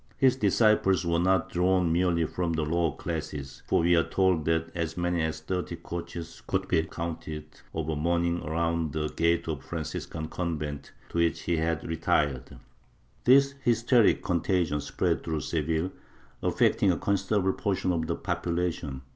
His disciples were not drawn merely from the lower classes, for we are told that as many as thirty coaches could be counted of a morning around the gate of the Franciscan convent to which he had retired/ This hysteric contagion spread through Seville, affecting a considerable portion of the population.